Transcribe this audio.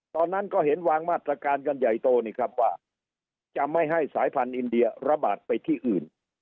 ตอนนั้นก็เห็นวางมาตรการกันใหญ่โตนี่ครับว่าจะไม่ให้สายพันธุ์อินเดียระบาดไปที่อื่น